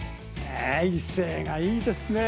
威勢がいいですねえ。